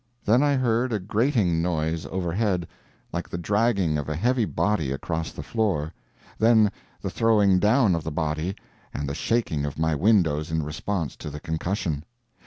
Then I heard a grating noise overhead, like the dragging of a heavy body across the floor; then the throwing down of the body, and the shaking of my windows in response to the concussion.